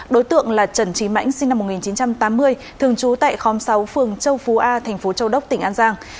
đối tượng là trần trí mãnh sinh năm một nghìn chín trăm tám mươi thường trú tại khóm sáu phường châu phú a thành phố châu đốc tỉnh an giang